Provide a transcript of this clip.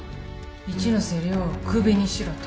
一ノ瀬亮を首にしろと。